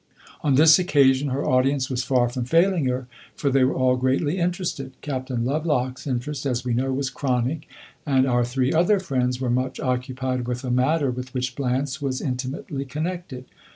On this occasion, her audience was far from failing her, for they were all greatly interested. Captain Lovelock's interest, as we know, was chronic, and our three other friends were much occupied with a matter with which Blanche was intimately connected.